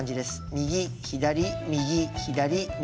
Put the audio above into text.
右左右左右。